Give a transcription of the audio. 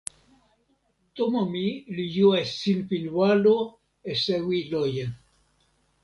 tomo mi li jo e sinpin walo e sewi loje.